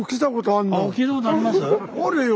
あるよ。